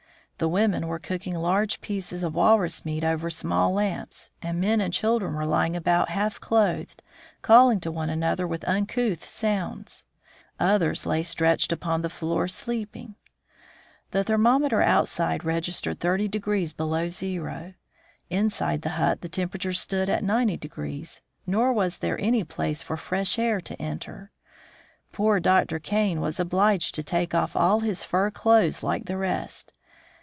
The women were cooking large pieces of walrus meat over small lamps, and men and children were lying about half clothed, calling to one another with uncouth sounds. Others lay stretched upon the floor sleeping. The thermometer outside registered 30 below zero. Inside the hut the temperature stood at 90 , nor was there any place for fresh air to enter. Poor Dr. Kane was obliged to take off all his fur clothes like the rest.